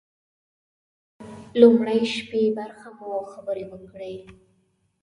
د لومړۍ شپې برخه مو خبرې وکړې.